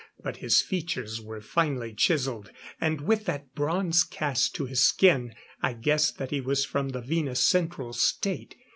But his features were finely chiseled; and with that bronze cast to his skin, I guessed that he was from the Venus Central State.